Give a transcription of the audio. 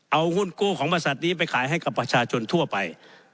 เอาหุ้นกู้ของบริษัทนี้ไปขายให้กับประชาชนทั่วไป